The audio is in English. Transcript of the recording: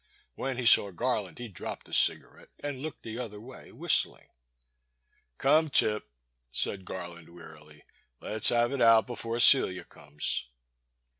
When he saw Garland he dropped the cigarette and looked the other way, whistling. Come, Tip/' said Garland, wearily, let's have it out before Cdia comes."